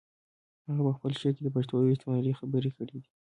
هغه په خپل شعر کې د پښتنو د رښتینولۍ خبرې کړې دي.